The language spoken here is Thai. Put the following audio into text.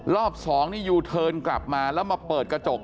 รอบสองนี่ยูเทิร์นกลับมาแล้วมาเปิดกระจก